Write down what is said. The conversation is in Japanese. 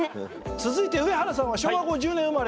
続いて上原さんは昭和５０年生まれ。